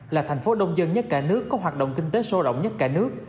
là thành phố đông dân nhất cả nước có hoạt động kinh tế sôi động nhất cả nước